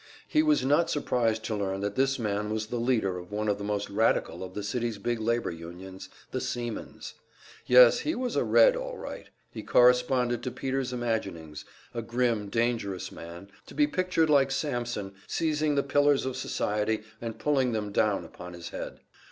He was not surprised to learn that this man was the leader of one of the most radical of the city's big labor unions, the seamen's. Yes, he was a "Red," all right; he corresponded to Peter's imaginings a grim, dangerous man, to be pictured like Samson, seizing the pillars of society and pulling them down upon his head.